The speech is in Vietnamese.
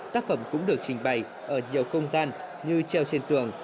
tác phẩm cũng được trình bày ở nhiều không gian như treo trên tường